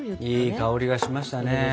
いい香りがしましたね。